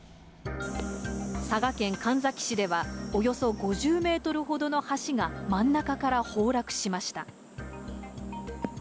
佐賀県神埼市では、およそ５０メートルほどの橋が真ん中から崩落しました。